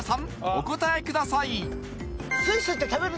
お答えください